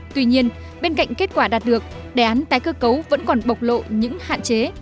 tuy nhiên bên cạnh kết quả đạt được đề án tái cơ cấu vẫn còn bộc lộ những hạn chế